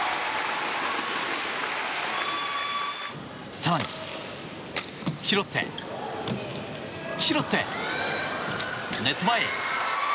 更に拾って、拾ってネット前へ。